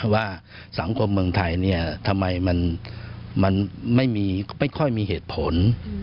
ว่าสังคมเมืองไทยทำไมมันไม่ค่อยมีเหตุผล